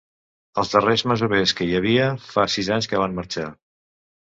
Els darrers masovers que hi havia fa sis anys que van marxar.